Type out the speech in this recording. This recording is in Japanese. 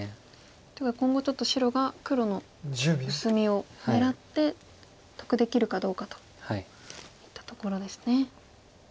ということは今後ちょっと白が黒の薄みを狙って得できるかどうかといったところですね。